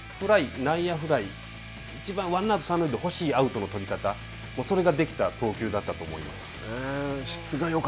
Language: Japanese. いちばんフライ、内野フライいちばんワンアウト、三塁で欲しいアウトの取り方、それができた投球だったと思います。